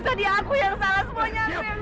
untuk bersama nika